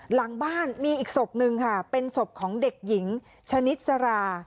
หลังบ้านมีอีกศพนึงค่ะเป็นศพของเด็กหญิงชนิดสรา